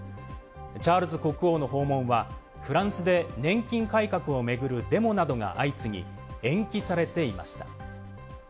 チャールズ国王の訪問は、フランスで年金改革を巡るデモなどが相次ぎ、延期されていました。